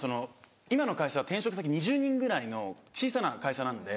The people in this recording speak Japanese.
今の会社は転職先２０人ぐらいの小さな会社なんで。